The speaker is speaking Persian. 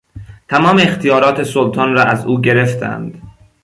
تمام اختیارات سلطان را از او گرفتند.